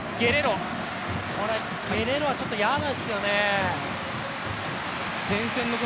ゲレロはちょっと嫌ですよね。